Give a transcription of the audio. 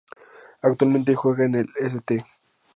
Actualmente juega en el St.